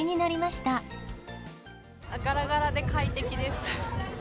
がらがらで快適です。